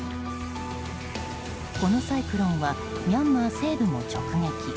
このサイクロンはミャンマー西部も直撃。